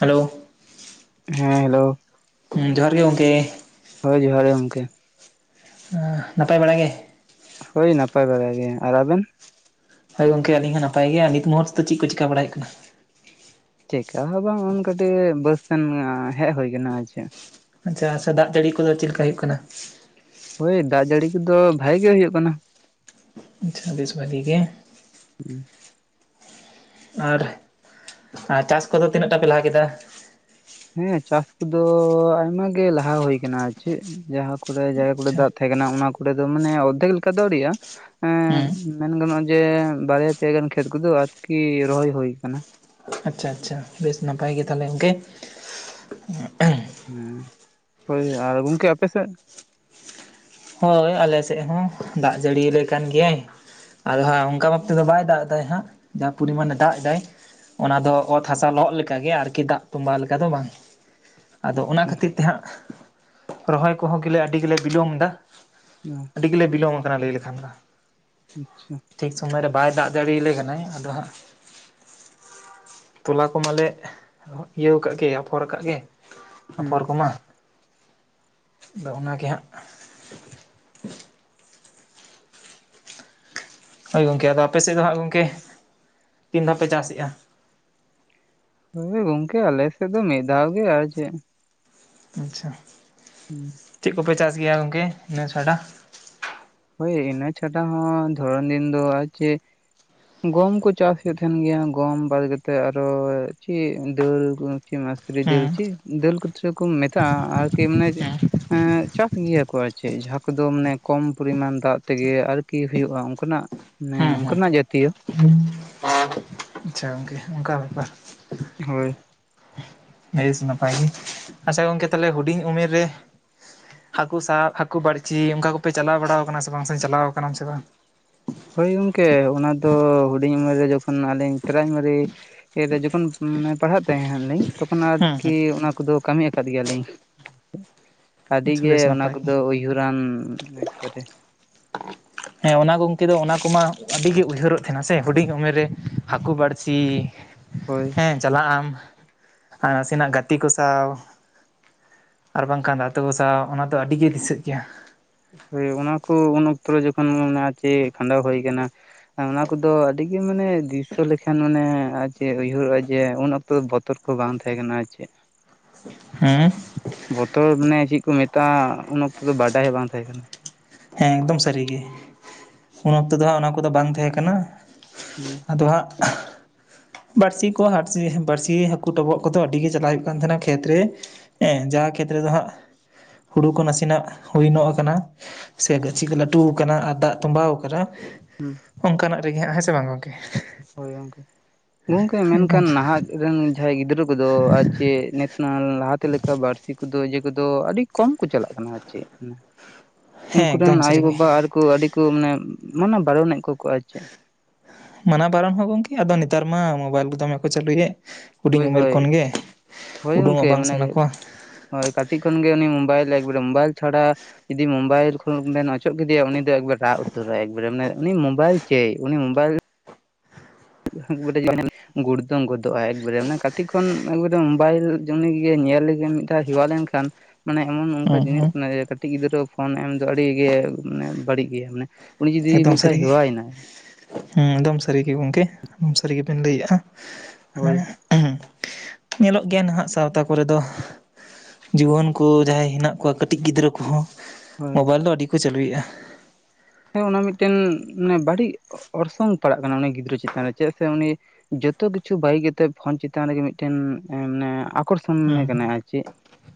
Hello ᱦᱮᱸ hello ᱦᱮᱸ ᱡᱚᱦᱟᱨ ᱜᱮ ᱜᱚᱝᱠᱮ᱾ ᱦᱳᱭ ᱡᱚᱦᱟᱨ ᱜᱮ ᱜᱚᱢᱠᱮ᱾ ᱟᱸᱜ ᱱᱟᱯᱟᱭ ᱵᱟᱲᱟ ᱜᱮ? ᱦᱳᱭ ᱱᱟᱯᱟᱭ ᱵᱟᱲᱟ ᱜᱮ᱾ ᱟᱨ ᱟᱵᱮᱱ? ᱦᱳᱭ ᱜᱚᱝᱠᱮ ᱟᱹᱞᱤᱧ ᱦᱚᱸ ᱱᱟᱯᱟᱭ ᱜᱮᱭᱟ ᱱᱤᱛ ᱢᱚᱦᱩᱨ ᱛᱮᱫ ᱪᱮᱫ ᱠᱚ ᱪᱮᱠᱟ ᱵᱟᱲᱟᱭ ᱦᱩᱭᱩᱜ ᱠᱟᱱᱟ? ᱪᱮᱠᱟ ᱦᱚᱸ ᱵᱟᱝ ᱠᱟᱹᱴᱤᱡ ᱵᱟᱥ ᱥᱮᱱ ᱦᱮᱡ ᱦᱩᱭ ᱟᱠᱟᱱᱟ, ᱟᱨ ᱪᱮᱫ᱾ ᱟᱪᱪᱷᱟ ᱥᱮ ᱫᱟᱜ ᱡᱟᱹᱲᱤ ᱠᱚᱫᱚ ᱪᱮᱫ ᱞᱮᱠᱟ ᱦᱩᱭᱩᱜ ᱠᱟᱱᱟ? ᱦᱳᱭ ᱫᱟᱜ ᱡᱟᱹᱲᱤ ᱠᱚᱫᱚ ᱵᱷᱟᱜᱤ ᱜᱮ ᱦᱩᱭᱩᱜ ᱠᱟᱱᱟ᱾ [unintelligible] ᱪᱷᱟᱵᱤᱥ ᱵᱟᱡᱮ ᱜᱮ᱾ [unintelligible] ᱟᱨ ᱟᱨ ᱪᱟᱥ ᱠᱚᱫᱚ ᱛᱤᱱᱟᱹᱜ ᱴᱟ ᱯᱮ ᱞᱟᱦᱟ ᱠᱮᱫᱟ? ᱦᱮᱸ ᱪᱟᱥ ᱠᱚᱫᱚ ᱟᱭᱢᱟ ᱜᱮ ᱞᱟᱦᱟ ᱦᱩᱭ ᱟᱠᱟᱱᱟ᱾ ᱟᱨ ᱪᱮᱫ? ᱡᱟᱦᱟᱸ ᱠᱚᱨᱮ ᱡᱟᱭᱜᱟ ᱠᱚᱨᱮ ᱟᱪᱪᱷᱟ ᱫᱟᱜ ᱛᱟᱦᱮᱸ ᱠᱟᱱᱟ ᱚᱱᱟ ᱠᱚᱨᱮ ᱫᱚ ᱢᱟᱱᱮ ᱚᱨᱫᱷᱮᱠ ᱞᱮᱠᱟ ᱫᱚ ᱟᱹᱣᱨᱮᱭᱟᱜᱼᱟ᱾ ᱦᱮᱸ ᱦᱩᱸ ᱢᱮᱱ ᱜᱟᱱᱚᱜᱼᱟ ᱡᱮ ᱵᱟᱨᱭᱟ ᱯᱮᱭᱟ ᱜᱟᱱ ᱠᱷᱮᱛ ᱠᱚᱫᱚ ᱟᱨᱠᱤ ᱨᱚᱦᱚᱭ ᱦᱩᱭ ᱟᱠᱟᱱᱟ᱾ ᱟᱪᱪᱷᱟ ᱟᱪᱪᱷᱟ ᱵᱮᱥ ᱱᱟᱯᱟᱭ ᱜᱮ ᱛᱟᱦᱚᱞᱮ ᱜᱚᱝᱠᱮ᱾ [unintelligible] ᱦᱩᱸ, ᱦᱳᱭ ᱟᱨ ᱜᱚᱝᱠᱮ ᱟᱯᱮ ᱥᱮᱫ? ᱦᱳᱭ ᱟᱞᱮᱥᱮᱫ ᱦᱚᱸ ᱫᱟᱜ ᱡᱟᱹᱲᱤᱭᱟᱞᱮ ᱠᱟᱱ ᱜᱮᱭᱟᱭ᱾ ᱟᱫᱚ ᱦᱟᱸᱜ ᱚᱱᱠᱟ ᱵᱟᱷᱟᱵ ᱛᱮᱫᱚ ᱵᱟᱭ ᱫᱟᱜ ᱮᱫᱟ ᱦᱟᱸᱜ ᱡᱟᱦᱟᱸ ᱯᱚᱨᱤᱢᱟᱱᱮ ᱫᱟᱜ ᱫᱟᱭ᱾ ᱚᱱᱟ ᱫᱚ ᱚᱛ ᱦᱟᱥᱟ ᱞᱚᱦᱚᱫ ᱞᱮᱠᱟ ᱜᱮ ᱟᱨᱠᱤ ᱫᱟᱜ ᱛᱚᱵᱟ ᱞᱮᱠᱟ ᱫᱚ ᱵᱟᱝ᱾ ᱟᱫᱚ ᱚᱱᱟ ᱟᱪᱪᱷᱟ ᱠᱷᱟᱹᱛᱤᱨ ᱛᱮ ᱦᱟᱸᱜ ᱨᱚᱦᱚᱭ ᱠᱚᱦᱚᱸ ᱜᱮᱞᱮ ᱟᱹᱰᱤ ᱜᱮᱞᱮ ᱵᱤᱞᱚᱢ ᱮᱫᱟ᱾ [inaudible] ᱟᱹᱰᱤ ᱜᱮᱞᱮ ᱵᱤᱞᱚᱢ ᱟᱠᱟᱱᱟ ᱞᱟᱹᱭ ᱞᱮᱠᱷᱟᱱ ᱫᱚ᱾ ᱟᱪᱪᱷᱟ᱾ ᱴᱷᱤᱠ ᱥᱳᱢᱚᱭᱨᱮ ᱵᱟᱭ ᱫᱟᱜ ᱫᱟᱲᱮᱭᱟᱞᱮ ᱠᱟᱱᱟᱭ᱾ ᱟᱫᱚ ᱦᱟᱸᱜ ᱛᱚᱞᱟ ᱠᱚᱢᱟᱞᱮ ᱤᱭᱟᱹᱣ ᱠᱟᱜ ᱜᱮ ᱟᱯᱷᱚᱨ ᱟᱠᱟᱫ ᱜᱮ᱾ ᱦᱮᱸ ᱟᱯᱷᱚᱨ ᱠᱚᱢᱟ, ᱟᱫᱚ ᱚᱱᱟ ᱜᱮ ᱦᱟᱸᱜ ᱦᱳᱭ ᱜᱚᱢᱠᱮ ᱟᱫᱚ ᱟᱯᱮᱥᱮᱫ ᱫᱚ ᱦᱟᱸᱜ ᱜᱚᱢᱠᱮ ᱛᱤᱱ ᱫᱷᱟᱣ ᱯᱮ ᱪᱟᱥᱮᱫᱼᱟ? ᱦᱳᱭ ᱜᱚᱝᱠᱮ ᱟᱞᱮᱥᱮᱫ ᱫᱚ ᱢᱤᱫ ᱫᱷᱟᱣ ᱜᱮ ᱟᱨ ᱪᱮᱫ? ᱟᱪᱪᱷᱟ᱾ ᱦᱩᱸ᱾ ᱪᱮᱫ ᱠᱚᱯᱮ ᱪᱟᱥ ᱜᱮᱭᱟ ᱜᱚᱢᱠᱮ ᱤᱱᱟᱹ ᱪᱷᱟᱰᱟ? ᱦᱳᱭ ᱤᱱᱟᱹ ᱪᱷᱟᱰᱟ ᱦᱚᱸ ᱫᱷᱚᱨᱚᱱ ᱫᱤᱱ ᱫᱚ ᱟᱨ ᱪᱮᱫ ᱜᱚᱢ ᱠᱚ ᱪᱟᱥ ᱦᱩᱭᱩᱜ ᱛᱟᱦᱮᱱ ᱜᱮᱭᱟ᱾ ᱜᱚᱢ ᱵᱟᱫᱠᱟᱛᱮ ᱟᱨᱚ ᱪᱮᱫ ᱫᱟᱹᱞ ᱪᱮᱫ ᱢᱩᱥᱨᱤ ᱫᱟᱹᱞ ᱦᱩᱸ ᱪᱮᱫ ᱫᱟᱹᱞ ᱠᱚᱪᱚ ᱠᱚ ᱢᱮᱛᱟᱜᱼᱟ ᱟᱨᱠᱤ ᱢᱟᱱᱮ ᱮᱸ ᱪᱟᱥ ᱜᱮᱭᱟ ᱠᱚ ᱟᱨ ᱪᱮᱫ ᱡᱟᱦᱟᱸ ᱠᱚᱫᱚ ᱢᱟᱱᱮ ᱠᱚᱢ ᱯᱚᱨᱤᱢᱟᱱ ᱫᱟᱜ ᱛᱮᱜᱮ ᱟᱨᱠᱤ ᱦᱩᱭᱩᱜᱼᱟ ᱚᱱᱠᱟᱱᱟᱜ ᱢᱟᱱᱮ ᱦᱩᱸ ᱦᱩᱸ ᱚᱱᱠᱟᱱᱟᱜ ᱡᱟᱛᱤᱭᱚ᱾ ᱟᱪᱪᱷᱟ ᱜᱚᱝᱠᱮ ᱚᱱᱠᱟ ᱵᱮᱯᱟᱨ᱾ ᱦᱳᱭ᱾ ᱵᱮᱥ ᱱᱟᱯᱟᱭ ᱜᱮ᱾ ᱟᱪᱪᱷᱟ ᱜᱚᱝᱠᱮ ᱛᱟᱦᱚᱞᱮ ᱦᱩᱰᱤᱧ ᱩᱢᱮᱨ ᱨᱮ ᱦᱟᱹᱠᱩ ᱥᱟᱵ, ᱦᱟᱹᱠᱩ ᱵᱟᱹᱲᱪᱤ ᱚᱱᱠᱟ ᱠᱚᱯᱮ ᱪᱟᱞᱟᱣ ᱵᱟᱲᱟ ᱟᱠᱟᱱᱟ ᱥᱮ ᱵᱟᱝ ᱥᱮᱢ ᱪᱟᱞᱟᱣ ᱟᱠᱟᱱᱟᱢ ᱥᱮ ᱵᱟᱝ? ᱦᱳᱭ ᱜᱚᱝᱠᱮ ᱚᱱᱟ ᱫᱚ ᱦᱩᱰᱤᱧ ᱩᱢᱮᱨ ᱨᱮ ᱡᱚᱠᱷᱚᱱ ᱟᱹᱞᱤᱧ ᱯᱨᱮᱨᱟᱭᱢᱟᱨᱤ [unintelligible] ᱨᱮ ᱡᱚᱠᱷᱚᱱ ᱯᱟᱲᱦᱟᱜ ᱛᱟᱦᱮᱸᱱ ᱦᱟᱸᱜ ᱞᱤᱧ ᱛᱚᱠᱷᱚᱱ ᱦᱩᱸ ᱦᱩᱸ ᱟᱨᱠᱤ ᱚᱱᱟ ᱠᱚᱫᱚ ᱠᱟᱹᱢᱤ ᱟᱠᱟᱫ ᱜᱮᱭᱟᱞᱤᱧ᱾ ᱟᱹᱰᱤ ᱟᱪᱪᱷᱟ ᱜᱮ ᱵᱮᱥ ᱚᱱᱟ ᱱᱟᱯᱟᱭ ᱜᱮ ᱠᱚᱫᱚ ᱩᱭᱦᱩᱨᱟᱱ ᱮᱠᱟᱨᱮ᱾ ᱦᱮᱸ ᱚᱱᱟ ᱜᱚᱢᱠᱮ ᱫᱚ ᱚᱱᱟ ᱠᱚᱢᱟ ᱟᱹᱰᱤᱜᱮ ᱩᱭᱦᱟᱹᱨᱚᱜ ᱛᱟᱦᱮᱱᱟ ᱥᱮ ᱦᱩᱰᱤᱧ ᱩᱢᱮᱨ ᱨᱮ ᱦᱟᱹᱠᱩ ᱵᱟᱹᱲᱥᱤ, [inaudible] ᱦᱳᱭ᱾ ᱦᱮᱸ ᱪᱟᱞᱟᱜ ᱟᱢ ᱟᱨ ᱱᱟᱥᱮᱱᱟᱜ ᱜᱟᱛᱮ ᱠᱚ ᱥᱟᱶ᱾ ᱟᱨ ᱵᱟᱝᱠᱷᱟᱱ [unintelligible] ᱥᱟᱶ ᱚᱱᱟ ᱫᱚ ᱟᱹᱰᱤᱜᱮ ᱫᱤᱥᱟᱹᱜ ᱜᱮᱭᱟ᱾ ᱦᱳᱭ ᱚᱱᱟ ᱠᱚ ᱩᱱ ᱚᱠᱛᱚ ᱨᱮ ᱡᱚᱠᱷᱚᱱ ᱢᱚᱱᱟ ᱟᱨ ᱪᱮᱫ ᱠᱷᱟᱸᱰᱟᱣ ᱦᱩᱭ ᱠᱟᱱᱟ᱾ ᱟᱨ ᱚᱱᱟ ᱠᱚᱫᱚ ᱟᱹᱰᱤ ᱜᱮ ᱢᱟᱱᱮ ᱫᱨᱥᱟᱹ ᱞᱮᱠᱷᱟᱱ ᱢᱟᱱᱮ ᱟᱨ ᱪᱮᱫ ᱩᱭᱦᱟᱹᱨᱚᱜᱼᱟ ᱡᱮ ᱩᱱ ᱚᱠᱛ ᱛᱚ ᱫᱚ ᱵᱚᱛᱚᱨ ᱠᱚ ᱵᱟᱝ ᱛᱟᱦᱮᱸ ᱠᱟᱱᱟ ᱟᱨ ᱪᱮᱫ᱾ ᱦᱮᱸ? ᱵᱚᱛᱚᱨ ᱢᱟᱱᱮ ᱪᱮᱫ ᱠᱚ ᱢᱮᱛᱟᱜᱼᱟ, ᱩᱱ ᱚᱠᱛᱚ ᱫᱚ ᱵᱟᱰᱟᱭ ᱵᱟᱝ ᱛᱟᱦᱮᱸ ᱠᱟᱱᱟ᱾ ᱦᱮᱸ ᱮᱠᱫᱚᱢ ᱥᱟᱹᱨᱤ ᱜᱮ ᱩᱱ ᱚᱠᱛᱚ ᱫᱚ ᱦᱟᱜ ᱚᱱᱟ ᱠᱚᱫᱚ ᱵᱟᱝ ᱛᱟᱦᱮᱸ ᱠᱟᱱᱟ᱾ ᱦᱮᱸ᱾ ᱟᱫᱚ ᱦᱟᱜ ᱵᱟᱹᱲᱥᱤ ᱠᱚ ᱟᱨ ᱪᱮᱫ ᱵᱟᱹᱲᱥᱤ ᱦᱟᱹᱠᱩ ᱰᱚᱵᱚᱜ ᱠᱚᱫᱚ ᱟᱹᱰᱤ ᱜᱮ ᱪᱟᱞᱟᱜ ᱦᱩᱭᱩᱜ ᱠᱟᱱ ᱛᱟᱦᱮᱱᱟ ᱠᱷᱮᱛ ᱨᱮ᱾ ᱦᱮᱸ ᱡᱟᱦᱟᱸ ᱠᱷᱮᱛᱨᱮ ᱫᱚ ᱦᱟᱸᱜ ᱦᱩᱲᱩ ᱠᱚ ᱱᱟᱥᱮᱱᱟᱜ ᱦᱩᱭ ᱱᱚᱜ ᱟᱠᱟᱱᱟ᱾ ᱥᱮ ᱜᱟᱹᱪᱷᱤ ᱠᱚ ᱞᱟᱹᱴᱩᱣ ᱟᱠᱟᱱᱟ ᱟᱨ ᱫᱟᱜ ᱛᱚᱸᱵᱟᱣ ᱟᱠᱟᱱᱟ᱾ ᱦᱩᱸ᱾ ᱚᱱᱠᱟᱱᱟᱜ ᱨᱮᱜᱮ ᱦᱟᱸᱜ ᱦᱮᱸ ᱥᱮ ᱵᱟᱝ ᱜᱚᱢᱠᱮ᱾ ᱦᱳᱭ ᱜᱚᱝᱠᱮ᱾ ᱜᱚᱝᱠᱮ ᱢᱮᱱᱠᱷᱟᱱ ᱱᱟᱦᱟᱜ ᱨᱮᱱ ᱡᱟᱦᱟᱸᱭ ᱜᱤᱫᱽᱨᱟᱹ ᱠᱚᱫᱚ ᱟᱡ ᱪᱮᱫ ᱱᱮᱛ ᱱᱟᱞ ᱞᱟᱦᱟᱛᱮ ᱞᱮᱠᱟ ᱵᱟᱹᱲᱥᱤ ᱠᱚᱫᱚ ᱤᱭᱟᱹ ᱠᱚᱫᱚ ᱟᱹᱰᱤ ᱠᱚᱢ ᱠᱚ ᱪᱟᱞᱟᱜ ᱠᱟᱱᱟ ᱟᱨ ᱪᱮᱫ᱾ ᱦᱮᱸ ᱩᱱᱠᱩᱨᱮᱱ ᱮᱠᱫᱚᱢ ᱟᱭᱳ ᱥᱟᱹᱨᱤᱜᱮ ᱵᱟᱵᱟ ᱟᱨᱠᱩ ᱟᱹᱰᱤ ᱠᱚ ᱢᱟᱱᱮ ᱢᱟᱱᱟ ᱵᱟᱨᱚᱱᱮᱫ ᱠᱚᱣᱟ ᱠᱚ ᱟᱨ ᱪᱮᱫ᱾ ᱢᱟᱱᱟ ᱵᱟᱨᱚᱱ ᱦᱚᱸ ᱜᱚᱝᱠᱮ ᱟᱫᱚ ᱱᱮᱛᱟᱨ ᱢᱟ ᱢᱳᱵᱟᱭᱤᱞ ᱠᱚ ᱫᱚᱢᱮ ᱠᱚ ᱪᱟᱹᱞᱩᱭᱮᱫ᱾ ᱦᱩᱰᱤᱧ ᱦᱳᱭ ᱩᱢᱮᱨ ᱦᱳᱭ ᱠᱷᱚᱱ ᱜᱮ᱾ ᱦᱳᱭ ᱩᱰᱩᱝᱚᱜ ᱜᱚᱝᱠᱮ ᱵᱟᱝ ᱥᱟᱱᱟ ᱢᱟᱱᱮ ᱠᱚᱣᱟ᱾ ᱦᱳᱭ᱾ ᱠᱟᱹᱴᱤᱡ ᱠᱷᱚᱱ ᱜᱮ ᱩᱱᱤ ᱢᱳᱵᱟᱭᱤᱞ ᱮᱠᱵᱟᱨᱮ ᱢᱳᱵᱟᱭᱤᱞ ᱪᱷᱟᱲᱟ ᱡᱩᱫᱤ ᱢᱳᱵᱟᱭᱤᱞ ᱠᱷᱚᱱ ᱵᱮᱱ ᱚᱪᱚᱜ ᱠᱮᱫᱮᱭᱟ ᱩᱱᱤ ᱫᱚ ᱮᱠᱵᱟᱨ ᱨᱟᱜ ᱩᱛᱟᱹᱨᱟᱭ ᱮᱠᱵᱟᱨᱮ ᱢᱟᱱᱮ ᱩᱱᱤ ᱢᱳᱵᱟᱭᱤᱞ ᱪᱟᱹᱭ, ᱩᱱᱤ ᱢᱳᱵᱟᱭᱤᱞ [unintelligible] ᱜᱩᱲᱫᱟᱢ ᱜᱚᱫᱚ-ᱟᱭ ᱮᱠᱵᱟᱨᱮ ᱢᱟᱱᱮ ᱠᱟᱹᱴᱤᱡ ᱠᱷᱚᱱ ᱮᱠᱵᱟᱨᱮ ᱢᱳᱵᱟᱭᱤᱞ ᱡᱮ ᱩᱱᱤ ᱜᱮ ᱧᱮᱞ ᱞᱮᱜᱮ ᱢᱤᱫ ᱫᱷᱟᱣ ᱦᱮᱣᱟ ᱞᱮᱱᱠᱷᱟᱱ ᱢᱟᱱᱮ ᱮᱢᱚᱱ ᱚᱱᱠᱟ ᱦᱩᱸ ᱡᱤᱱᱤᱥ ᱦᱩᱸ ᱠᱟᱱᱟ ᱡᱮ ᱠᱟᱹᱴᱤᱡ ᱜᱤᱫᱽᱨᱟᱹ ᱯᱷᱳᱱ ᱮᱢ ᱫᱚ ᱟᱹᱰᱤ ᱜᱮ ᱢᱟᱱᱮ ᱵᱟᱹᱲᱤᱡ ᱜᱮᱭᱟ ᱢᱟᱱᱮ᱾ ᱩᱱᱤ ᱡᱩᱫᱤ ᱮᱠᱫᱚᱢ ᱢᱤᱫ ᱫᱷᱟᱣ ᱥᱟᱹᱨᱤ ᱜᱮ᱾ ᱦᱮᱣᱟᱭᱮᱱᱟᱭ ᱦᱮᱸ ᱮᱠᱫᱚᱢ ᱥᱟᱹᱨᱤᱜᱮ ᱜᱚᱢᱠᱮ, ᱮᱠᱫᱚᱢ ᱥᱟᱹᱨᱤ ᱜᱮᱵᱮᱱ ᱞᱟᱹᱭᱮᱜᱼᱟ ᱦᱳᱭ ᱦᱮᱸ᱾ ᱧᱮᱞᱚᱜ ᱜᱮᱭᱟ ᱱᱟᱦᱟᱜ ᱥᱟᱶᱛᱟ ᱠᱚᱨᱮ ᱫᱚ᱾ ᱡᱩᱣᱟᱹᱱ ᱠᱚ ᱡᱟᱦᱟᱸᱭ ᱦᱮᱱᱟᱜ ᱠᱚᱣᱟ ᱠᱟᱹᱴᱤᱡ ᱜᱤᱫᱽᱨᱟᱹ ᱠᱚᱦᱚᱸ ᱦᱳᱭ ᱢᱳᱵᱟᱭᱤᱞ ᱫᱚ ᱟᱹᱰᱤ ᱠᱚ ᱪᱟᱹᱞᱩᱭᱮᱫᱼᱟ᱾ ᱦᱮᱸ ᱚᱱᱟ ᱢᱤᱫᱴᱮᱱ ᱢᱟᱱᱮ ᱵᱟᱹᱲᱤᱡ ᱚᱨᱥᱚᱝ ᱯᱟᱲᱟᱜ ᱠᱟᱱᱟ ᱩᱱᱤ ᱜᱤᱫᱽᱨᱟᱹ ᱪᱮᱛᱟᱱ ᱨᱮ ᱪᱮᱫᱟᱜ ᱥᱮ ᱩᱱᱤ ᱡᱚᱛᱚ ᱠᱤᱪᱷᱩ ᱵᱟᱹᱜᱤ ᱠᱟᱛᱮᱜ ᱯᱷᱳᱱ ᱪᱮᱛᱟᱱ ᱨᱮᱜᱮ ᱢᱤᱫᱴᱮᱱ ᱮᱸ ᱢᱟᱱᱮ ᱟᱠᱚᱨᱥᱚᱱ ᱮᱢ ᱮᱢᱟᱭ ᱦᱩᱸ ᱠᱟᱱᱟ ᱟᱨ ᱪᱮᱫ᱾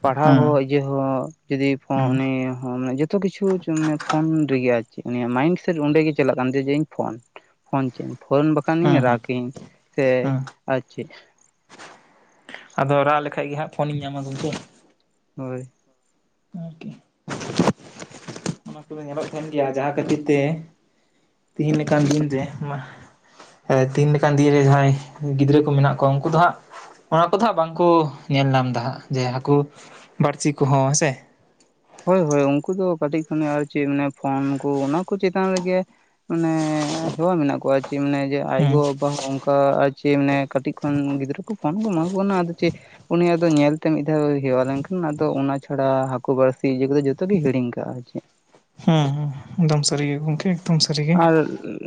ᱯᱟᱲᱦᱟᱣ ᱦᱩᱸ ᱦᱚᱸ ᱡᱮᱦᱚᱸ ᱡᱩᱫᱤᱣ ᱯᱷᱳ ᱦᱩᱸ ᱩᱱᱤ ᱦᱚᱸ ᱢᱟᱱᱮ ᱡᱚᱛᱚ ᱠᱤᱪᱷᱩ ᱢᱟᱱᱮ ᱯᱷᱳᱱ ᱨᱮᱜᱮ ᱟᱨ ᱪᱮᱫ ᱩᱱᱤᱭᱟᱜ ᱢᱟᱭᱤᱱᱰᱥᱴ ᱚᱸᱰᱮ ᱜᱮ ᱪᱟᱞᱟᱜ ᱠᱟᱱ ᱛᱟᱭᱟ ᱡᱮ ᱤᱧ ᱯᱷᱳᱱ ᱯᱷᱳᱱ ᱪᱟᱹᱭ᱾ ᱯᱷᱳᱱ ᱵᱟᱠᱷᱟᱱᱤᱧ ᱦᱩᱸ ᱦᱩᱸ ᱨᱟᱜᱤᱧ ᱥᱮ ᱦᱩᱸ ᱟᱨ ᱪᱮᱫ᱾ ᱟᱫᱚ ᱨᱟᱜ ᱞᱮᱠᱷᱟᱡ ᱜᱮ ᱦᱟᱸᱜ ᱯᱷᱳᱱᱤᱧ ᱧᱟᱢᱟ ᱜᱚᱝᱠᱮ᱾ ᱦᱳᱭ᱾ [unintelligible] ᱚᱱᱟ ᱠᱚᱫᱚ ᱧᱮᱞᱚᱜ ᱠᱟᱱ ᱜᱮᱭᱟ᱾ ᱡᱟᱦᱟᱸ ᱠᱷᱟᱹᱛᱤᱨ ᱛᱮ ᱛᱮᱤᱦᱤᱧ ᱞᱮᱠᱟᱱ ᱫᱤᱱ ᱨᱮ ᱢᱟᱦ ᱮ ᱛᱤᱦᱤᱧ ᱞᱮᱠᱟᱱ ᱫᱤᱱ ᱨᱮ ᱡᱟᱦᱟᱸᱭ ᱜᱤᱫᱽᱨᱟᱹ ᱠᱚ ᱢᱮᱱᱟᱜ ᱠᱚᱣᱟ ᱩᱱᱠᱩ ᱫᱚ ᱦᱟᱸᱜ ᱚᱱᱟ ᱠᱚᱫᱚ ᱦᱟᱸᱜ ᱵᱟᱝᱠᱚ ᱧᱮᱞ ᱧᱟᱢ ᱫᱟ ᱦᱟᱸᱜ ᱡᱮ ᱦᱟᱹᱠᱩ ᱵᱟᱹᱲᱥᱤ ᱠᱚᱦᱚᱸ ᱦᱮᱸᱥᱮ᱾ ᱦᱳᱭ ᱦᱳᱭ ᱩᱱᱠᱩ ᱫᱚ ᱠᱟᱹᱴᱤᱡ ᱠᱷᱚᱱᱮ ᱟᱨ ᱪᱮᱫ ᱯᱷᱳᱱ ᱠᱚ ᱚᱱᱟ ᱠᱚ ᱪᱮᱛᱟᱱ ᱨᱮᱜᱮ ᱢᱟᱱᱮ ᱦᱮᱣᱟ ᱢᱮᱱᱟᱜ ᱠᱚᱣᱟ ᱪᱮᱫ ᱢᱟᱱᱮ ᱡᱮ ᱟᱡ ᱦᱩᱸ ᱜᱚ-ᱵᱟᱵᱟ ᱦᱚᱸ ᱚᱱᱠᱟ ᱟᱨ ᱪᱮᱫ ᱢᱟᱱᱮ ᱠᱟᱹᱴᱤᱡ ᱠᱷᱚᱱ ᱜᱤᱫᱽᱨᱟᱹ ᱠᱚ ᱯᱷᱳᱱ ᱠᱚ ᱮᱢᱟ ᱠᱚ ᱠᱟᱱᱟ ᱟᱫᱚ ᱪᱮᱫ ᱩᱱᱤ ᱟᱫᱚ ᱧᱮᱞᱛᱮ ᱢᱤᱫ ᱫᱷᱟᱣ ᱦᱮᱣᱟ ᱞᱮᱱᱠᱷᱟᱱ ᱟᱫᱚ ᱚᱱᱟ ᱪᱷᱟᱲᱟ ᱦᱟᱹᱠᱩ ᱵᱟᱲᱥᱤ ᱛᱤ ᱤᱭᱟᱹ ᱠᱚᱫᱚ ᱡᱚᱛᱚ ᱜᱮ ᱦᱤᱲᱤᱧᱠᱟᱜᱼᱟᱭ ᱟᱨ ᱪᱮᱫ᱾ ᱦᱩᱸ ᱦᱩᱸ᱾ ᱮᱠᱫᱚᱢ ᱥᱟᱹᱨᱤ ᱜᱮ ᱜᱚᱢᱠᱮ᱾ ᱟᱨ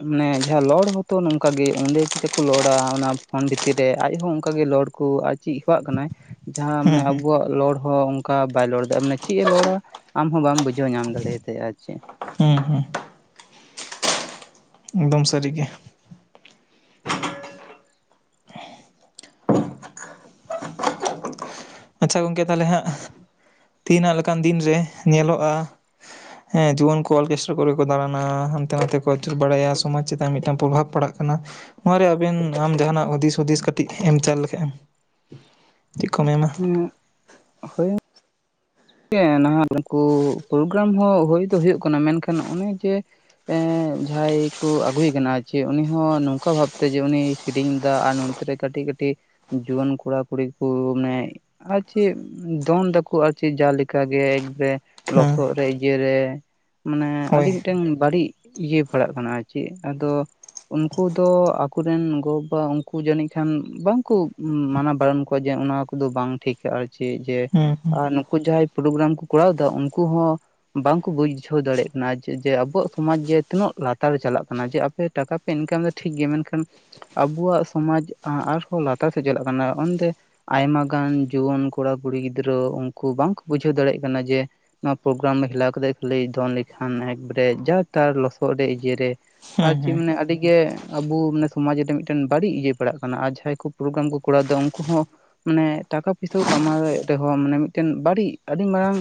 ᱢᱟᱱᱮ ᱡᱟᱦᱟᱸ ᱞᱚᱲ ᱦᱚᱛᱚ ᱱᱚᱝᱠᱟᱜᱮ, ᱚᱸᱰᱮ ᱪᱤᱠᱟ ᱠᱚ ᱞᱚᱲᱟ ᱚᱱᱟ ᱯᱷᱳᱱ ᱵᱷᱤᱛᱤᱨ ᱨᱮ ᱟᱡ ᱦᱚᱸ ᱚᱱᱠᱟᱜᱮ ᱞᱚᱲ ᱠᱚ ᱟᱡ ᱪᱤᱫ ᱦᱮᱣᱟᱜ ᱠᱚᱱᱟᱭ ᱡᱟᱦᱟᱸ ᱦᱩᱸ ᱢᱟᱱᱮ ᱦᱩᱸ ᱟᱵᱚᱣᱟᱜ ᱞᱚᱲ ᱦᱚ ᱚᱱᱠᱟ ᱵᱟᱭ ᱨᱚᱲ ᱫᱟ ᱢᱟᱱᱮ ᱪᱮᱫ ᱮ ᱞᱚᱲᱟ ᱟᱢᱦᱚᱸ ᱵᱟᱢ ᱵᱩᱡᱷᱟᱹᱣ ᱧᱟᱢ ᱫᱟᱲᱮᱭᱟᱛᱟᱭᱟ ᱟᱨ ᱪᱮᱫ᱾ ᱦᱮᱸ ᱦᱮᱸ᱾ ᱮᱠᱫᱚᱢ ᱥᱟᱹᱨᱤ ᱜᱮ᱾ ᱟᱪᱷᱟ ᱜᱚᱝᱠᱮ ᱛᱟᱦᱚᱞᱮ ᱦᱟᱸᱜ ᱛᱤᱦᱤᱱᱟᱜ ᱞᱮᱠᱟᱱ ᱫᱤᱱᱨᱮ ᱧᱮᱞᱚᱜᱼᱟ ᱦᱮᱸ ᱡᱩᱣᱟᱹᱱ ᱠᱚ ᱚᱨᱠᱮᱥᱴᱟᱨ ᱠᱚᱨᱮ ᱠᱚ ᱰᱟᱲᱟᱱᱟ, ᱦᱟᱱᱛᱮ ᱱᱟᱛᱮ ᱠᱚ ᱟᱹᱪᱩᱨ ᱵᱟᱲᱟᱭᱟ, ᱥᱚᱢᱟᱡᱽ ᱪᱮᱛᱟᱱ ᱢᱤᱫᱴᱟᱝ ᱯᱨᱚᱵᱷᱟᱵᱽ ᱯᱟᱲᱟᱜ ᱠᱟᱱᱟ ᱱᱚᱣᱟᱨᱮ ᱟᱵᱮᱱ ᱟᱢ ᱡᱟᱦᱟᱱᱟᱜ ᱦᱩᱫᱤᱥ ᱦᱩᱫᱤᱥ ᱠᱟᱹᱴᱤᱡ ᱮᱢ ᱪᱟᱞ ᱞᱮᱠᱷᱟᱱᱡ ᱮᱢ [unintelligible] [inaudible] ᱦᱳᱭ ᱱᱟᱦᱟᱜ ᱩᱱᱠᱩ ᱯᱨᱳᱜᱨᱟᱢ ᱦᱚᱸ ᱦᱩᱭ ᱫᱚ ᱦᱩᱭᱩᱜ ᱠᱟᱱᱟ ᱢᱮᱱᱠᱷᱟᱱ ᱩᱱᱮ ᱡᱮ ᱮᱸ ᱡᱟᱦᱟᱸᱭ ᱠᱚ ᱟᱹᱜᱩᱭᱮ ᱠᱟᱱᱟ ᱟᱨ ᱪᱮ ᱩᱱᱤᱦᱚᱸ ᱱᱚᱝᱠᱟ ᱵᱷᱟᱵᱛᱮ ᱡᱮ ᱩᱱᱤ ᱥᱤᱨᱤᱧᱡ ᱫᱟ ᱟᱨ ᱱᱚᱝ ᱨᱮ ᱠᱟᱹᱴᱤᱡ ᱠᱟᱹᱴᱤᱡ ᱡᱩᱣᱟᱹᱱ ᱠᱚᱲᱟ ᱠᱩᱲᱤ ᱠᱚ ᱢᱟᱱᱮ ᱟᱨ ᱪᱮᱫ ᱫᱚᱱ ᱫᱟᱠᱩ ᱟᱨ ᱪᱮᱫ ᱡᱟᱸᱦᱟ ᱞᱮᱠᱟ ᱜᱮ ᱡᱮ ᱦᱮᱸ ᱞᱚᱥᱚᱫ ᱨᱮ ᱤᱭᱟᱹ ᱨᱮ ᱢᱟᱱᱮ ᱦᱳᱭ ᱟᱰᱤ ᱢᱤᱫᱴᱟᱝ ᱵᱟᱲᱤᱡ ᱤᱭᱟᱹ ᱯᱟᱲᱟᱜ ᱠᱟᱱᱟ ᱟᱨ ᱪᱤᱱ ᱟᱫᱚ ᱩᱱᱠᱩ ᱫᱚ ᱟᱠᱚᱨᱮᱱ ᱜᱚᱵᱟᱵᱟ ᱩᱱᱠᱩ ᱡᱟᱹᱱᱤᱡ ᱠᱷᱟᱱ ᱵᱟᱝᱠᱚ ᱢᱟᱱᱟ ᱵᱟᱨᱚᱱ ᱠᱚᱣᱟ ᱡᱮ ᱦᱚᱜ-ᱚᱱᱟ ᱠᱚ ᱠᱚᱫᱚ ᱵᱟᱝ ᱴᱷᱤᱠᱟ ᱟᱨ ᱪᱮᱫ ᱡᱮ ᱦᱩᱸ ᱦᱩᱸ ᱟᱨ ᱱᱩᱠᱩ ᱡᱟᱦᱟᱸᱭ ᱯᱨᱳᱜᱨᱟᱢ ᱠᱚ ᱠᱚᱨᱟᱣ ᱰᱟ ᱩᱱᱠᱩ ᱦᱚᱸ ᱵᱟᱝᱠᱚ ᱵᱩᱡᱷᱟᱹᱣ ᱫᱟᱲᱮᱭᱟᱜ ᱠᱟᱱᱟ ᱡᱮ ᱡᱮ ᱟᱵᱚᱣᱟᱜ ᱥᱚᱢᱟᱡ ᱡᱮ ᱛᱤᱱᱟᱹᱜ ᱞᱟᱛᱟᱨ ᱪᱟᱞᱟᱜ ᱠᱟᱱᱟ, ᱡᱮ ᱟᱯᱮ ᱴᱟᱠᱟ ᱯᱮ ᱤᱱᱠᱟᱢ ᱫᱟ ᱴᱷᱤᱠ ᱜᱮᱭᱟ ᱢᱮᱱᱠᱷᱟᱱ ᱟᱵᱩᱣᱟᱜ ᱥᱚᱢᱟᱡ ᱟᱨᱦᱚᱸ ᱞᱟᱛᱟᱨ ᱥᱮᱡ ᱪᱟᱞᱟᱜ ᱠᱟᱱᱟ, ᱩᱱᱫᱚ ᱟᱭᱢᱟ ᱜᱟᱱ ᱡᱩᱣᱟᱹᱱ ᱠᱚᱲᱟ ᱠᱩᱲᱤ ᱜᱤᱫᱽᱨᱟᱹ ᱩᱱᱠᱩ ᱵᱟᱝᱠᱚ ᱵᱩᱡᱷᱟᱹᱣ ᱫᱟᱲᱮᱜ ᱠᱟᱱᱟ ᱡᱮ ᱱᱚᱣᱟ ᱯᱨᱳᱜᱨᱟᱢ ᱨᱮ ᱦᱮᱞᱟᱣ ᱠᱟᱛᱮ ᱠᱷᱟᱹᱞᱤ ᱫᱚᱱ ᱞᱮᱠᱷᱟᱱ ᱮᱠᱵᱟᱨᱮ ᱡᱟ ᱛᱟᱨ ᱞᱚᱥᱚᱫ ᱨᱮ ᱤᱭᱟᱹᱨᱮ ᱟᱨ ᱦᱩᱸ ᱪᱮᱫ ᱦᱩᱸ ᱢᱟᱱᱮ ᱟᱹᱰᱤ ᱜᱮ ᱟᱵᱚ ᱢᱟᱱᱮ ᱥᱚᱢᱟᱡ ᱨᱮ ᱢᱤᱫᱴᱮᱱ ᱵᱟᱹᱲᱤᱡ ᱤᱭᱟᱹ ᱯᱟᱲᱟᱜ ᱠᱟᱱᱟ ᱟᱨ ᱡᱟᱦᱟᱸᱭ ᱠᱩ ᱯᱨᱳᱜᱨᱟᱢ ᱠᱚ ᱠᱚᱨᱟᱣ ᱫᱟ ᱩᱱᱠᱩ ᱦᱚᱸ ᱢᱟᱱᱮ ᱴᱟᱠᱟ ᱯᱚᱭᱥᱟ ᱠᱚ ᱠᱟᱢᱟᱣᱮᱫ ᱨᱮᱦᱚᱸ ᱢᱟᱱᱮ ᱢᱤᱫᱴᱮᱱ ᱵᱟᱲᱤᱡ ᱟᱹᱰᱤ ᱢᱟᱨᱟᱝ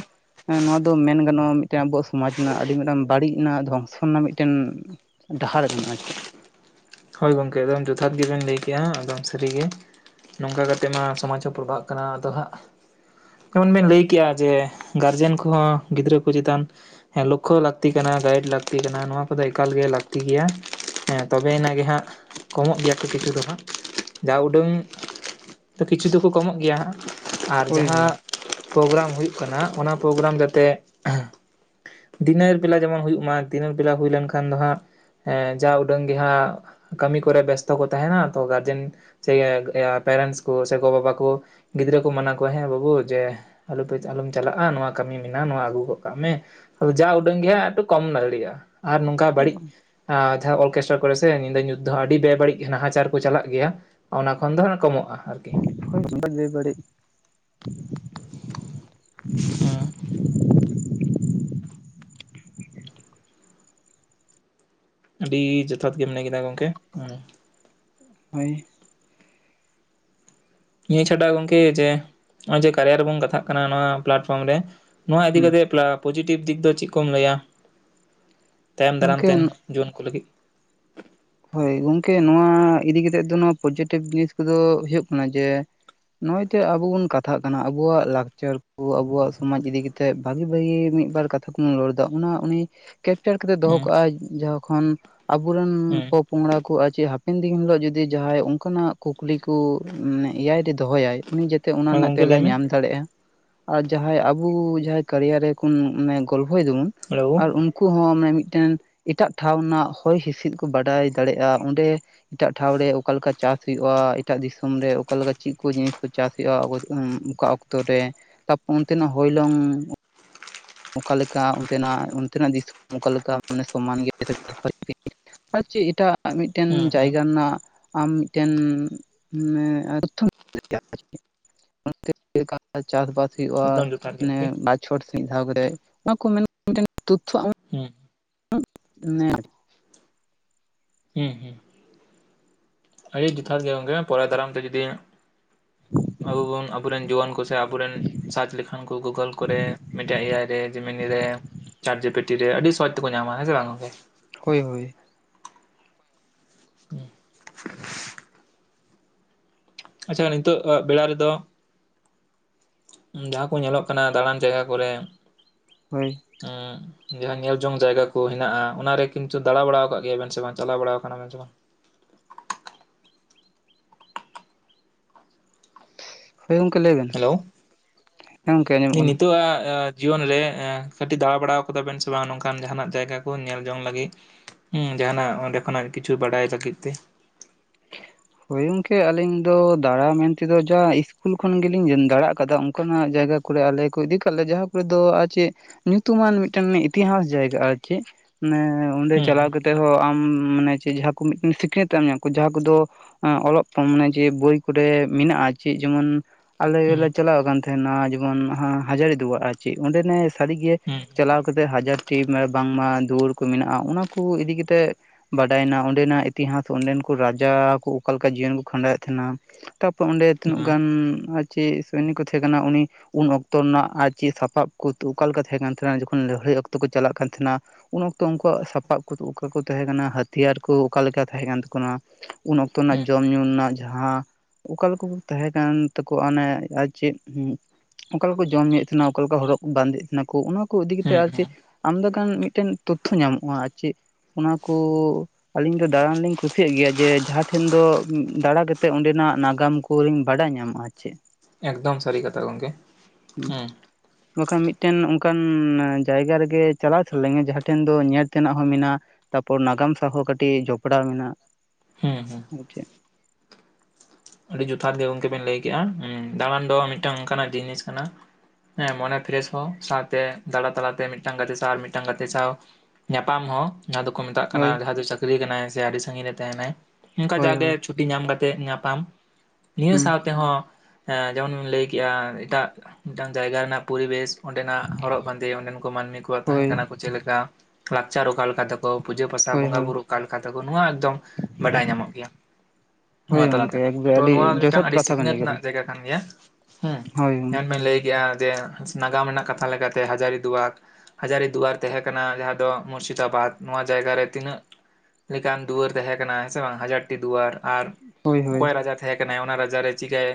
ᱮᱸ ᱱᱚᱣᱟ ᱫᱚ ᱢᱮᱱ ᱜᱟᱱᱚᱜ-ᱟ ᱢᱤᱫᱮᱱ ᱟᱵᱚᱣᱟᱜ ᱥᱚᱢᱟᱡ ᱨᱮᱱᱟᱜ ᱟᱹᱰᱤ ᱢᱤᱫᱴᱟᱝ ᱵᱟᱹᱲᱤᱡ ᱨᱮᱱᱟᱜ ᱫᱷᱚᱝᱥᱚ ᱨᱮᱱᱟᱜ ᱢᱤᱫᱴᱮᱱ ᱰᱟᱦᱟᱨ ᱠᱟᱱᱟ ᱟᱨ ᱪᱮᱫ᱾ ᱦᱳᱭ ᱜᱚᱝᱠᱮ ᱮᱠᱫᱚᱢ ᱡᱚᱛᱷᱟᱛ ᱜᱤᱵᱮᱱ ᱞᱟᱹᱭ ᱠᱮᱜ-ᱟ ᱮᱠᱫᱚᱢ ᱥᱟᱹᱨᱤ ᱜᱮ᱾ ᱱᱚᱝᱠᱟ ᱠᱟᱛᱮᱫ ᱢᱟ ᱥᱚᱢᱟᱡᱽ ᱦᱚᱸ ᱯᱨᱚᱵᱷᱟᱜ ᱠᱟᱱᱟ ᱟᱫᱚ ᱦᱟᱸᱜ᱾ ᱡᱮᱢᱚᱱ ᱵᱮᱱ ᱞᱟᱹᱭ ᱠᱮᱜ-ᱟ ᱡᱮ ᱜᱟᱨᱡᱮᱱ ᱠᱚᱦᱚᱸ ᱜᱤᱫᱽᱨᱟᱹ ᱠᱚ ᱪᱮᱛᱟᱱ ᱦᱮᱸ, ᱞᱳᱠᱷᱳ ᱞᱟᱹᱠᱛᱤ ᱠᱟᱱᱟ ᱜᱟᱭᱤᱰ ᱞᱟᱹᱠᱛᱤ ᱠᱟᱱᱟ ᱱᱚᱣᱟ ᱠᱚᱫᱚ ᱮᱠᱟᱞ ᱜᱮ ᱞᱟᱹᱠᱛᱤ ᱜᱮᱭᱟ, ᱦᱮᱸ ᱛᱚᱵᱮᱱᱟᱜ ᱜᱮ ᱦᱟᱸᱜ ᱠᱚᱢᱚᱜ ᱜᱮᱭᱟ ᱠᱚ ᱠᱤᱪᱷᱩ ᱫᱚ ᱦᱟᱸᱜ, ᱡᱟ ᱩᱰᱟᱹᱝ ᱛᱚ ᱠᱤᱪᱷᱩ ᱫᱚᱠᱚ ᱠᱚᱢᱚᱜ ᱜᱮᱭᱟ ᱦᱟᱸᱜ, ᱟᱨ ᱦᱳᱭ ᱦᱳᱭ ᱡᱟᱦᱟᱸ ᱯᱨᱳᱜᱨᱟᱢ ᱦᱩᱭᱩᱜ ᱠᱟᱱᱟ ᱚᱱᱟ ᱯᱨᱳᱜᱨᱟᱢ ᱡᱟᱛᱮ ᱫᱤᱱᱮᱨ ᱵᱮᱞᱟ ᱡᱮᱢᱚᱱ ᱦᱩᱭᱩᱜ ᱢᱟ ᱫᱤᱱᱟᱹᱨ ᱵᱮᱞᱟ ᱦᱩᱭ ᱞᱮᱱᱠᱷᱟᱱ ᱫᱚ ᱦᱟᱸᱜ᱾ ᱮᱸ ᱡᱟ ᱩᱰᱟᱹᱝ ᱜᱮ ᱦᱟᱸᱜ ᱠᱟᱢᱤ ᱠᱚᱨᱮ ᱵᱮᱥᱛᱚ ᱠᱚ ᱛᱟᱦᱮᱱᱟ, ᱛᱚ ᱜᱟᱨᱡᱮᱱ ᱥᱮᱭᱮ ᱯᱮᱨᱮᱱᱴᱥ ᱠᱚ ᱥᱮ ᱜᱚ ᱵᱟᱵᱟ ᱠᱩ ᱜᱤᱫᱽᱨᱟᱹ ᱠᱩ ᱢᱟᱱᱟ ᱠᱚᱣᱟ, ᱦᱮᱸ ᱵᱟᱹᱵᱩ ᱡᱮ ᱟᱞᱚᱯᱮ ᱟᱞᱚᱢ ᱪᱟᱞᱟᱜ-ᱟ ᱱᱚᱣᱟ ᱠᱟᱹᱢᱤ ᱢᱮᱱᱟᱜ-ᱟ ᱱᱚᱣᱟ ᱟᱹᱜᱩ ᱜᱚᱫ ᱠᱟᱜ ᱢᱮ᱾ ᱩ ᱡᱟ ᱩᱰᱟᱹᱝ ᱜᱮ ᱟᱫᱚ ᱠᱚᱢ ᱫᱟᱲᱤᱭᱟᱜ-ᱟ᱾ ᱟᱨ ᱱᱚᱝᱠᱟ ᱵᱟᱲᱤᱡ ᱡᱟᱦᱟᱸ ᱚᱨᱠᱮᱥᱴᱨᱟ ᱠᱚᱨᱮ ᱥᱮ ᱧᱤᱫᱟᱹ ᱧᱩᱛ ᱡᱟᱦᱟᱸ ᱟᱹᱰᱤ ᱡᱟᱭᱜᱟ ᱨᱮᱜᱮ ᱱᱟᱦᱟᱪᱟᱨ ᱠᱚ ᱪᱟᱞᱟᱜ ᱜᱮᱭᱟ, ᱚᱱᱟ ᱠᱷᱚᱱ ᱫᱚ ᱠᱚᱢᱚᱜ-ᱟ ᱟᱨᱠᱤ᱾ ᱦᱳᱭ ᱚᱱᱠᱟᱱ ᱵᱮᱵᱟᱹᱲᱤᱡ᱾ ᱦᱩᱸ᱾ ᱟᱹᱰᱤ ᱡᱚᱛᱷᱟᱛ ᱜᱮᱢ ᱞᱟᱹᱭ ᱠᱮᱫᱟ ᱜᱚᱝᱠᱮ, ᱦᱩᱸ᱾ ᱦᱳᱭ᱾ ᱱᱤᱭᱟᱹ ᱪᱷᱟᱰᱟ ᱜᱚᱝᱠᱮ ᱡᱮ ᱱᱚᱣᱟ ᱡᱮ ᱠᱟᱨᱭᱟ ᱨᱮᱵᱚᱱ ᱠᱟᱛᱷᱟᱜ ᱠᱟᱱᱟ ᱱᱚᱣᱟ ᱯᱞᱟᱴᱯᱷᱨᱚᱢ ᱨᱮ᱾ ᱱᱚᱣᱟ ᱤᱫᱤ ᱦᱩᱸ ᱠᱟᱛᱮᱜ ᱯᱞᱟ ᱯᱚᱡᱮᱴᱤᱵᱽ ᱫᱤᱠ ᱫᱚ ᱪᱮᱫ ᱠᱚᱢ ᱞᱟᱹᱭᱟ ᱛᱟᱭᱚᱢ ᱫᱟᱨᱟᱢ ᱜᱚᱝᱠᱮ ᱛᱮ᱾ ᱡᱩᱣᱟᱹᱱ ᱠᱩ ᱞᱟᱹᱜᱤᱫ᱾ ᱦᱳᱭ ᱜᱚᱝᱠᱮ ᱱᱚᱣᱟ ᱤᱫᱤ ᱠᱟᱛᱮᱜ ᱫᱚ ᱱᱚᱣᱟ ᱯᱚᱡᱮᱴᱤᱵᱷ ᱡᱤᱱᱤᱥ ᱠᱚᱫᱚ ᱦᱳᱭᱳᱜ ᱠᱟᱱᱟ ᱡᱮ ᱱᱚᱜ-ᱚᱭ ᱡᱮ ᱟᱵᱩ ᱵᱩᱱ ᱠᱟᱛᱷᱟᱜ ᱠᱟᱱᱟ, ᱟᱵᱩᱣᱟᱜ ᱞᱟᱠᱪᱟᱨ ᱠᱚ ᱟᱵᱩᱣᱟᱜ ᱥᱚᱢᱟᱡᱽ ᱤᱫᱤ ᱠᱟᱛᱮ᱾ ᱵᱷᱟᱜᱤ ᱵᱷᱟᱜᱤ ᱢᱤᱫᱵᱟᱨ ᱠᱟᱛᱷᱟ ᱠᱚᱵᱚᱱ ᱨᱚᱲ ᱮᱫᱟ, ᱚᱱᱟ ᱩᱱᱤ ᱠᱮᱯᱪᱟᱨ ᱠᱟᱛᱮᱜ ᱫᱚᱦᱚ ᱦᱩᱸ ᱠᱟᱜ-ᱟᱭ ᱡᱟᱦᱟ ᱠᱷᱚᱱᱚ ᱟᱵᱚᱨᱮᱱ ᱦᱩᱸ ᱯᱚᱝᱲᱟ ᱠᱚ ᱟᱨ ᱪᱮ ᱦᱟᱯᱮᱱ ᱫᱤᱱ ᱦᱤᱞᱳᱜ ᱡᱩᱫᱤ ᱡᱟᱦᱟᱸᱭ ᱚᱱᱠᱟᱱᱟᱜ ᱠᱩᱠᱞᱤ ᱠᱚ ᱢᱟᱱᱮ ᱮᱭᱟᱭ ᱨᱮ ᱫᱚᱦᱚᱭᱟᱭ᱾ ᱩᱱᱤ ᱡᱟᱛᱮ ᱚᱱᱟ ᱦᱮᱸ ᱨᱮᱱᱟᱜ ᱜᱚᱝᱠᱮ ᱞᱟᱹᱭ ᱛᱮᱞᱟ ᱢᱮ ᱧᱟᱢ ᱫᱟᱲᱮᱜ-ᱟ᱾ ᱟᱨ ᱡᱟᱦᱟᱸ ᱟᱵᱩ ᱠᱟᱨᱤᱭᱟᱨ ᱨᱮ ᱠᱩᱱ ᱢᱟᱱᱮ ᱜᱚᱞᱯᱷᱚᱭ ᱫᱟᱵᱚᱱ ᱦᱮᱞᱳ ᱟᱨ ᱩᱱ ᱠᱩ ᱦᱚᱸ ᱡᱮ ᱢᱤᱫᱴᱮᱱ ᱮᱴᱟᱜ ᱴᱷᱟᱶ ᱨᱮᱱᱟᱜ ᱦᱚᱭ ᱦᱤᱸᱥᱤᱫ ᱠᱚ ᱵᱟᱰᱟᱭ ᱫᱟᱲᱮᱭᱟᱜ-ᱟ, ᱚᱸᱰᱮ ᱮᱴᱟᱜ ᱴᱷᱟᱶ ᱨᱮ ᱚᱠᱟᱞᱮᱠᱟ ᱪᱟᱥ ᱦᱩᱭᱩᱜ-ᱟ, ᱮᱴᱟᱜ ᱫᱤᱥᱚᱢ ᱨᱮ ᱚᱠᱟᱞᱮᱠᱟ ᱪᱮᱫ ᱠᱚ ᱡᱤᱱᱤᱥ ᱠᱚ ᱪᱟᱥ ᱦᱩᱭᱩᱜ-ᱟ, ᱚᱠᱟ ᱚᱠ ᱚᱠᱛᱚ ᱨᱮ ᱛᱟᱯᱚᱨ ᱚᱱᱛᱮᱱᱟᱜ ᱦᱚᱭᱞᱚᱝ ᱚᱠᱟᱮᱠᱟ ᱚᱱᱛᱮᱱᱟᱜ ᱚᱱᱛᱮᱱᱟᱜ ᱫᱤᱥᱚᱢ ᱚᱠᱟ ᱞᱮᱠᱟᱮ ᱢᱟᱱᱮ ᱥᱚᱢᱟᱱ ᱜᱮ [inaudible] ᱟᱨ ᱪᱮᱫ ᱮᱴᱟᱜ ᱢᱤᱫᱴᱮᱱ ᱦᱩᱸ ᱦᱩᱸ ᱡᱟᱭᱜᱟ ᱨᱮᱱᱟᱜ ᱟᱢ ᱢᱤᱫᱴᱮᱱ ᱢᱟᱱᱮ [unintelligible] ᱪᱮᱫᱠᱟ ᱪᱟᱥ ᱵᱟᱥ ᱦᱩᱭᱩᱜᱭᱼᱟ ᱮᱠᱫᱚᱢ ᱡᱚᱛᱷᱟᱛ ᱜᱮ ᱚᱱᱮ ᱜᱚᱝᱠᱮ ᱵᱟᱪᱷᱚᱨ ᱥᱟᱹᱦᱤᱡ᱾ ᱫᱷᱟᱣ ᱠᱚᱨᱮ ᱱᱚᱭᱟ ᱠᱚ ᱢᱮᱱ [unintelligible] ᱛᱚᱛᱷᱚ ᱟᱢ ᱦᱮᱸ᱾ [unintelligible] ᱦᱮᱸ ᱦᱮᱸ᱾ ᱟᱹᱰᱤ ᱡᱚᱛᱷᱟᱛ ᱜᱮ ᱜᱚᱢᱠᱮ ᱯᱚᱨᱟᱭ ᱫᱟᱨᱟᱢ ᱛᱮ ᱡᱚᱫᱤ ᱟᱵᱚ ᱵᱚᱱ ᱟᱵᱚᱨᱮᱱ ᱡᱩᱣᱟᱹᱱ ᱠᱚ ᱥᱮ ᱥᱮ ᱟᱵᱚᱨᱮᱱ ᱥᱟᱨᱪ ᱞᱮᱠᱷᱟᱱ ᱠᱚ ᱜᱚᱜᱳᱞ ᱠᱚᱨᱮ ᱢᱮᱴᱟ ᱮ ᱟᱭ ᱨᱮ, ᱡᱤᱢᱤᱱᱤ ᱨᱮ, ᱪᱟᱴᱡᱮᱯᱤᱴ ᱴᱤ ᱨᱮ ᱨᱮ ᱟᱹᱰᱤ ᱥᱚᱦᱚᱡᱽ ᱛᱮᱠᱚ ᱧᱟᱢᱟ ᱦᱮᱸ ᱥᱮ ᱵᱟᱝ ᱜᱚᱢᱠᱮ᱾ ᱦᱳᱭ ᱦᱳᱭ᱾ [inaudible] ᱟᱪᱪᱷᱟ ᱱᱤᱛᱚᱜᱼᱟ ᱵᱮᱲᱟ ᱨᱮᱫᱚ ᱡᱟᱦᱟ ᱠᱚ ᱧᱮᱞᱚᱜ ᱠᱟᱱᱟ ᱫᱟᱬᱟᱱ ᱡᱟᱭᱜᱟ ᱠᱚᱨᱮ ᱦᱳᱭ᱾ [inaudible] ᱡᱟᱦᱟᱸ ᱧᱮᱞ ᱡᱚᱝ ᱡᱟᱭᱜᱟ ᱠᱚ ᱦᱮᱱᱟᱜᱼᱟ᱾ ᱚᱱᱟᱨᱮ ᱠᱤᱱᱛᱩ ᱫᱟᱬᱟ ᱵᱟᱲᱟᱣ ᱟᱠᱟᱜ ᱜᱮᱭᱟᱵᱮᱱ ᱥᱮ ᱵᱟᱝ, ᱪᱟᱞᱟᱣ ᱵᱟᱲᱟ ᱟᱠᱟᱱᱟᱵ ᱥᱮ ᱵᱟᱝ? ᱦᱳᱭ ᱜᱚᱢᱠᱮ ᱞᱟᱹᱭ ᱵᱮᱱ᱾ ᱦᱮᱞᱳ᱾ ᱦᱮᱸ ᱜᱚᱝᱠᱮ ᱟᱸᱡᱚᱢᱚᱜ ᱠᱟᱱᱟ ᱱᱤᱛᱚ-ᱟᱜ ᱟ ᱡᱤᱭᱚᱱ ᱨᱮ ᱮᱸ ᱠᱟᱹᱴᱤᱡ ᱫᱟᱬᱟ ᱵᱟᱲᱟᱟᱣ ᱠᱟᱫᱟ ᱵᱮᱱ ᱥᱮ ᱵᱟᱝ ᱱᱚᱝᱠᱟᱱ ᱡᱟᱦᱱᱟᱜ ᱡᱟᱭᱜᱟ ᱠᱚ ᱧᱮᱞ ᱡᱚᱝ ᱞᱟᱹᱜᱤᱫ᱾ ᱦᱮᱸ ᱡᱟᱦᱟᱱᱟᱜ ᱚᱸᱰᱮ ᱠᱷᱚᱱᱟᱜ ᱠᱤᱪᱷᱩ ᱵᱟᱰᱟᱭ ᱞᱟᱹᱜᱤᱫ ᱛᱮ᱾ ᱦᱳᱭ ᱜᱚᱝᱠᱮ ᱟᱞᱤᱧ ᱫᱚ ᱫᱟᱬᱟ ᱢᱮᱱ ᱛᱮᱫᱚ ᱡᱟ ᱤᱥᱠᱩᱞ ᱠᱷᱚᱱ ᱜᱮᱞᱤᱧ ᱫᱟᱬᱟᱜ ᱟᱠᱟᱫᱟ ᱚᱱᱠᱟᱱᱟᱜ ᱡᱟᱭᱜᱟ ᱠᱚᱨᱮ ᱟᱞᱮ ᱠᱚ ᱤᱫᱤ ᱠᱟᱜ ᱞᱮᱭᱟ ᱡᱟᱦᱟᱸ ᱠᱚᱨᱮ ᱫᱚ ᱟᱨ ᱪᱮᱫ, ᱧᱩᱛᱩᱢᱟᱱ ᱢᱤᱫᱴᱮᱱ ᱢᱟᱱᱮ ᱤᱛᱤᱦᱟᱥ ᱡᱟᱭᱜᱟ ᱟᱨ ᱪᱮᱫ᱾ ᱢᱟᱱᱮ ᱚᱸᱰᱮ ᱪᱟᱞᱟᱣ ᱦᱩᱸ ᱠᱟᱛᱮᱜ ᱦᱚᱸ ᱟᱢ ᱢᱟᱱᱮ ᱪᱮ ᱡᱟᱦᱟ ᱠᱚ ᱢᱮᱴᱮᱱ ᱥᱤᱠᱷᱱᱟᱹᱛ-ᱮᱢ ᱧᱟᱢ ᱠᱚ᱾ ᱡᱟᱦᱟ ᱠᱚᱫᱚ ᱮᱸ ᱚᱞᱚᱜ ᱯᱦᱚᱢ ᱢᱟᱱᱮ ᱡᱮ ᱵᱳᱭ ᱠᱚᱨᱮᱜ ᱢᱮᱱᱟᱜᱼᱟ ᱪᱮ ᱡᱮᱢᱚᱱ ᱟᱞᱮ ᱜᱮᱞᱮ ᱦᱩᱸ ᱪᱟᱞᱟᱣ ᱟᱠᱟᱱ ᱛᱟᱦᱮᱱᱟ ᱡᱮᱢᱚᱱ ᱦᱟ-ᱦᱟᱡᱟᱨᱤ ᱫᱩᱣᱟ-ᱜ ᱟᱨ ᱪᱮᱫ ᱚᱸᱰᱮ ᱱᱮᱥ ᱥᱟᱹᱨᱤᱜᱮ ᱦᱩᱸ ᱪᱟᱞᱟᱣ ᱠᱟᱛᱮᱜ ᱦᱟᱡᱟᱨᱴᱤ ᱢᱟᱱᱮ ᱵᱟᱝᱢᱟ ᱫᱩᱣᱟᱹᱨ ᱠᱚ ᱢᱮᱱᱟᱜᱼᱟ ᱚᱱᱟ ᱠᱚ ᱤᱫᱤᱛᱮᱫ ᱵᱟᱰᱟᱭᱱᱟ ᱚᱸᱰᱮᱱᱟᱜ ᱤᱛᱤᱦᱟᱥ, ᱚᱸᱰᱮᱱᱠᱩ ᱨᱟᱡᱟ ᱠᱚ ᱚᱠᱟ ᱞᱮᱠᱟ ᱡᱤᱭᱚᱱ ᱠᱚ ᱠᱷᱟᱸᱰᱟᱣᱮᱫ ᱛᱟᱦᱮᱱᱟ, ᱛᱟᱯᱚᱨ ᱚᱸᱰᱮ ᱦᱩᱸ ᱛᱤᱱᱟᱹᱜ ᱦᱩᱸ ᱜᱟᱱ ᱟᱨ ᱪᱮᱫ ᱥᱚᱭᱱᱤᱠ ᱠᱚ ᱛᱟᱦᱮᱸ ᱠᱟᱱᱟ ᱩᱱᱤ ᱩᱱ ᱚᱠᱛᱚ ᱨᱮᱱᱟᱜ ᱟᱨ ᱪᱮᱫ ᱥᱟᱯᱟᱵ ᱠᱚ ᱛᱚ ᱚᱠᱟᱞᱮᱠᱟ ᱛᱟᱦᱮᱸ ᱠᱟᱱ ᱛᱟᱦᱮᱱᱟ ᱡᱚᱠᱷᱚᱱ ᱞᱟᱹᱲᱦᱟᱹᱭ ᱚᱠᱛᱚ ᱠᱚ ᱪᱟᱞᱟᱼᱜ ᱠᱟᱱ ᱛᱟᱦᱮᱱᱟ ᱩᱱ ᱚᱠᱛᱚ ᱩᱱᱠᱩᱣᱟᱜ ᱥᱟᱯᱟᱵ ᱠᱚ ᱚᱠᱟ ᱠᱚ ᱛᱟᱦᱮᱸ ᱠᱟᱱᱟ, ᱦᱟᱹᱛᱤᱭᱟᱨ ᱠᱚ ᱚᱠᱟᱞᱮᱠᱟ ᱛᱟᱦᱮᱸ ᱠᱟᱱ ᱛᱟᱠᱚᱳᱱᱟ ᱩᱱ ᱚᱠᱛᱚ ᱦᱩᱸ ᱡᱚᱢ ᱧᱩ ᱨᱮᱱᱟᱜ ᱡᱟᱦᱟᱸ ᱚᱠᱟ ᱞᱮᱠᱟ ᱠᱚ ᱛᱟᱦᱮᱸ ᱠᱟᱱ ᱛᱟᱠᱚᱣᱟ ᱚᱱᱮ ᱟᱨ ᱪᱮᱫ᱾ ᱚᱠᱟᱞᱮᱠᱟ ᱠᱚ ᱡᱚᱢ ᱧᱩᱭᱮᱫ ᱛᱟᱦᱮᱱᱟ, ᱚᱠᱟ ᱞᱮᱠᱟ ᱦᱚᱨᱚᱜ ᱵᱟᱸᱫᱮᱜᱮᱫ ᱛᱟᱦᱮᱱᱟ ᱠᱚ ᱚᱱᱟ ᱠᱚ ᱤᱫᱤ ᱠᱟᱛᱮᱫ ᱦᱩᱸ ᱟᱨ ᱪᱮᱫ ᱦᱩᱸ ᱟᱢᱫᱟ ᱜᱟᱱ ᱢᱤᱫᱴᱮᱱ ᱛᱚᱛᱛᱷᱚ ᱧᱟᱢᱚᱜᱼᱟ ᱟᱨ ᱪᱮᱫ᱾ ᱚᱱᱟᱠᱩ ᱟᱞᱤᱧ ᱫᱚ ᱫᱟᱬᱟᱱ ᱞᱤᱧ ᱠᱩᱥᱤᱭᱟᱜ ᱜᱮᱭᱟ ᱡᱮ ᱡᱟᱦᱟᱜ ᱴᱷᱮᱱ ᱫᱚ ᱫᱟᱲᱟ ᱠᱟᱛᱮᱫ ᱚᱸᱰᱮᱱᱟᱜ ᱱᱟᱜᱟᱢ ᱠᱚᱤᱧ ᱵᱟᱰᱟᱭ ᱧᱟᱢᱟ ᱟᱨ ᱪᱮᱫ᱾ ᱮᱠᱫᱚᱢ ᱥᱟᱹᱨᱤ ᱠᱟᱛᱷᱟ ᱜᱚᱢᱠᱮ ᱦᱮᱸᱺ ᱵᱟᱠᱷᱟᱱ ᱢᱤᱫᱴᱮᱱ ᱚᱱᱠᱟᱱ ᱡᱟᱭᱜᱟ ᱨᱮᱜᱮ ᱪᱟᱞᱟᱣ ᱪᱚᱱᱞᱮᱜᱮ ᱡᱟᱦᱟᱸ ᱴᱷᱮᱱ ᱫᱚ ᱧᱮᱞ ᱛᱮᱱᱟᱜ ᱦᱚᱸ ᱢᱮᱱᱟᱜᱼᱟ᱿ ᱛᱟᱯᱚᱨ ᱱᱟᱜᱟᱢ ᱥᱟᱶ ᱦᱚᱸ ᱠᱟᱹᱴᱤᱡ ᱡᱚᱯᱲᱟᱣ ᱢᱮᱱᱟᱜ-ᱟ᱾ ᱦᱩᱸ ᱦᱩᱸ ᱟᱨᱪ ᱪᱮᱫ᱾ ᱟᱹᱰᱤ ᱡᱚᱛᱷᱟᱛ ᱜᱮ ᱜᱚᱢᱠᱮ ᱵᱮᱱ ᱞᱟᱹᱭ ᱠᱮᱫᱮᱜᱼᱟ᱾ ᱩ ᱫᱟᱲᱟᱱ ᱫᱚ ᱢᱤᱫᱴᱟᱝ ᱚᱱᱠᱟᱱᱟᱜ ᱡᱤᱱᱤᱥ ᱠᱟᱱᱟ᱾ ᱦᱮᱸ ᱢᱚᱱᱮ ᱯᱷᱨᱮᱥ ᱦᱚᱸ ᱥᱟᱶᱛᱮ ᱫᱟᱬᱟ ᱛᱟᱞᱟᱛᱮ ᱢᱤᱫᱴᱟᱝ ᱜᱟᱛᱮ ᱥᱟᱶ ᱟᱨ ᱢᱤᱫᱴᱟᱝ ᱜᱟᱛᱮ ᱥᱟᱶ ᱧᱟᱯᱟᱢ ᱦᱚᱸ ᱡᱟᱦᱟᱸ ᱫᱚᱠᱚ ᱢᱮᱛᱟᱜ ᱠᱟᱱᱟ ᱦᱳᱭ ᱡᱟᱦᱟᱸ ᱫᱚ ᱪᱟᱹᱠᱨᱤ ᱠᱟᱱᱟᱭ ᱥᱮ ᱟᱹᱰᱤ ᱥᱟᱺᱟᱹᱜᱤᱧ ᱨᱮ ᱛᱟᱦᱮᱱᱟᱭ᱾ ᱚᱱᱠᱟ ᱦᱳᱭ ᱡᱟ ᱜᱮ ᱦᱳᱭ ᱪᱷᱩᱴᱤ ᱧᱟᱢ ᱠᱟᱛᱮᱫ ᱧᱟᱯᱟᱢ ᱱᱤᱭᱟᱹ ᱦᱩᱸ ᱥᱟᱶ ᱛᱮᱦᱚᱸ ᱡᱮᱢᱚᱱ ᱵᱤᱱ ᱞᱟᱹᱭ ᱠᱮᱫᱮᱜ-ᱟ ᱮᱴᱟᱜ ᱢᱤᱫᱴᱟᱝ ᱡᱟᱭᱜᱟ ᱨᱮᱱᱟᱜ ᱯᱚᱨᱤᱵᱮᱥ ᱚᱸᱰᱮᱱᱟᱜ ᱦᱚᱨᱚᱜ ᱵᱟᱸᱫᱮ ᱚᱸᱰᱮᱱ ᱠᱚ ᱢᱟᱹᱱᱢᱤ ᱠᱚᱣᱟᱜ ᱛᱟᱦᱮᱱ ᱦᱳᱭ ᱠᱟᱱᱟ ᱠᱚ ᱪᱮᱫ ᱞᱮᱠᱟ ᱞᱟᱠᱪᱟᱨ ᱚᱠᱟ ᱞᱮᱠᱟ ᱛᱟᱠᱚ ᱯᱩᱡᱟᱹ ᱯᱟᱥᱟ ᱦᱳᱭ ᱵᱚᱸᱜᱟ ᱦᱳᱭ ᱵᱩᱨᱩᱩᱜ ᱚᱠᱟ ᱞᱮᱠᱟ ᱛᱟᱠᱚ ᱱᱚᱶᱟ ᱮᱠᱫᱚᱢ ᱵᱟᱰᱟᱭ ᱧᱟᱢᱚᱜ ᱜᱮᱭᱟ᱾ ᱦᱳᱭ ᱱᱚᱣᱟ ᱛᱟᱞᱟ ᱜᱚᱝᱠᱮ ᱛᱮᱦᱚᱸ ᱮᱠᱫᱚᱢ, ᱛᱚ ᱱᱚᱣᱟ ᱢᱤᱫᱴᱟᱝ ᱟᱹᱰᱤ ᱥᱤᱠᱷᱱᱟᱹᱛ ᱨᱮᱱᱟᱜ ᱡᱟᱭᱜᱟ ᱠᱟᱱ ᱜᱮᱭᱟ ᱦᱩᱸ ᱦᱳᱭ ᱜᱚᱝᱠᱮ ᱡᱮᱱᱢᱧ ᱞᱟᱹᱭ ᱜᱮᱭᱟ ᱡᱮ ᱱᱟᱜᱟᱢ ᱨᱮᱱᱟᱜ ᱠᱟᱛᱷᱟ ᱞᱮᱠᱟᱛᱮ ᱦᱟᱡᱟᱨᱤ ᱫᱩᱣᱟᱨ᱾ ᱦᱟᱡᱟᱨᱤ ᱫᱩᱣᱟᱨ ᱛᱟᱦᱮᱸ ᱠᱟᱱᱟ ᱡᱟᱦᱟᱸ ᱫᱚ ᱢᱩᱨᱥᱤᱫᱟᱵᱟᱫ ᱱᱚᱣᱟ ᱡᱟᱭᱜᱟᱨ ᱨᱮ ᱛᱤᱱᱟᱹᱜ ᱞᱮᱠᱟᱢ ᱫᱩᱣᱟᱹᱨ ᱛᱟᱦᱮᱸ ᱠᱟᱱᱟ ᱦᱮ ᱥᱮ ᱵᱟᱝ ᱦᱟᱡᱴ ᱴᱤ ᱫᱩᱣᱟᱨ ᱟᱨ ᱦᱳᱭ ᱦᱳᱭ ᱚᱠᱚᱭ ᱨᱟᱡᱟ ᱛᱟᱦᱮᱸ ᱠᱟᱱᱟᱭ ᱚᱱᱟ ᱨᱟᱡ ᱨᱮ ᱪᱤᱠᱟᱹᱭ